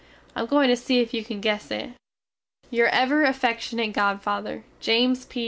I am going to see if you can guess it. Your ever affeckshunate godfather, James P.